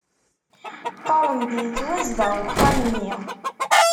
Qqaren-d yettwazdeɣ uxxam-nni